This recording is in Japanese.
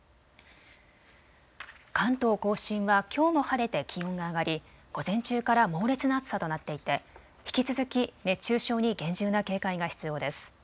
関東甲信はきょうも晴れて気温が上がり午前中から猛烈な暑さとなっていて引き続き熱中症に厳重な警戒が必要です。